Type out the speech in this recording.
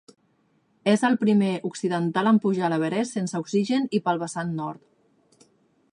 És el primer occidental en pujar a l'Everest sense oxigen i pel vessant nord.